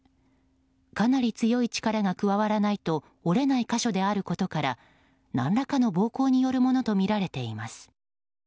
かなり強い力が加わらないと折れない箇所であることから何らかの暴行によるものとみられています。